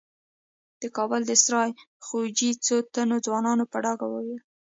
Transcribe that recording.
د کابل د سرای خوجې څو تنو ځوانانو په ډاګه وويل.